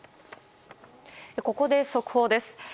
ここで速報です。